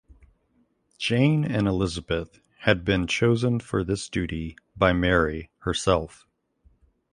Jane and Elizabeth had been chosen for this duty by Mary herself.